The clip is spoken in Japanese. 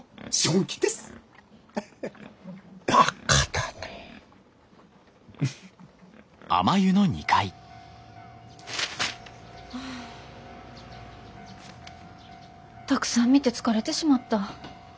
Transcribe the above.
たくさん見て疲れてしまった。